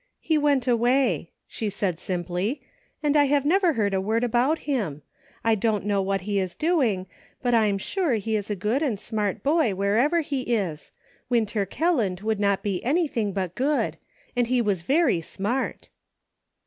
" He went away," she said simply, " and I have never heard a word about him. I don't know what he is doing, but I'm sure he is a good and smart boy wherever he is. Winter Kelland could not be anything but good ; and he was very smart."